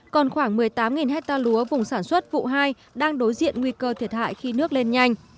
còn khoảng một mươi tám hectare lúa vùng sản xuất vụ hai đang đối diện nguy cơ thiệt hại khi nước lên nhanh